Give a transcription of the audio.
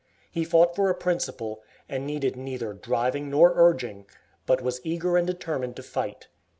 He fought for a principle, and needed neither driving nor urging, but was eager and determined to fight.